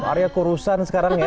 arya kurusan sekarang ya